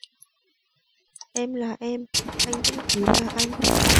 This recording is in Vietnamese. em là em ; anh vẫn cứ là anh.